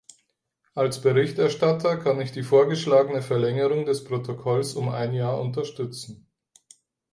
Als Berichterstatter kann ich die vorgeschlagene Verlängerung des Protokolls um ein Jahr unterstützen.